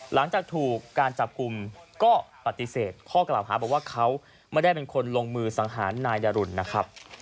หลังจากถูกการจับกลุ่มก็ปฏิเสธข้อกล่าวหาบอกว่าเขาไม่ได้เป็นคนลงมือสังหารนายดารุนนะครับ